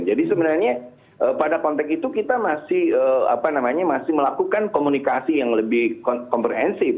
jadi sebenarnya pada konteks itu kita masih melakukan komunikasi yang lebih komprehensif